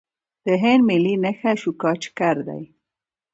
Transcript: د هند ملي نښه اشوکا چکر دی.